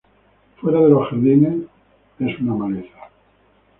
Fuera de los jardines, es una maleza.